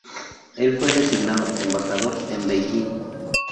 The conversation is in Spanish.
El fue designado embajador en Beijing.